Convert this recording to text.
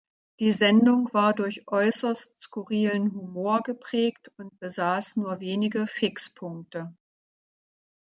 Die Sendung war durch äußerst skurrilen Humor geprägt und besaß nur wenige Fixpunkte.